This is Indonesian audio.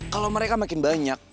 kalau mereka makin banyak